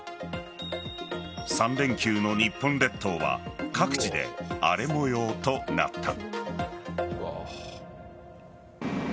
３連休の日本列島は各地で荒れ模様となった。